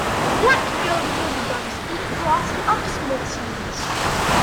Black-billed wood doves eat grass and other small seeds.